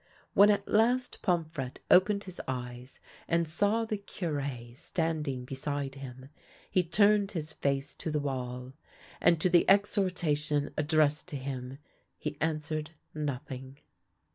When at last Pomfrette opened his eyes, and saw the Cure standing beside him, he turned his face to the wall, and to the exhortation addressed to him he an swered nothing.